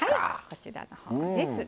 こちらのほうです。